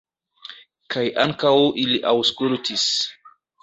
Kaj ankaŭ ili aŭskultis.